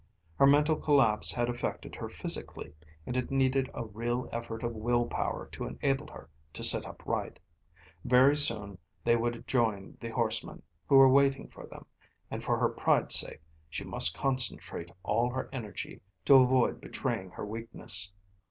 Her mental collapse had affected her physically, and it needed a real effort of will power to enable her to sit up right. Very soon they would join the horsemen, who were waiting for them, and for her pride's sake she must concentrate all her energy to avoid betraying her weakness.